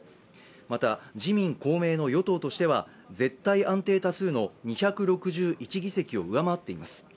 また、自民・公明の与党としては絶対安定多数の２６１議席を上回っています。